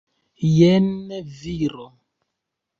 Jen viro!